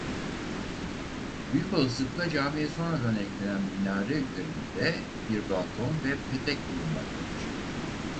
Büyük olasılıkla camiye sonradan eklenen minare üzerinde bir balkon ve petek bulunmaktadır.